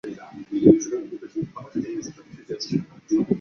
行列式的拉普拉斯展开一般被简称为行列式按某一行的展开。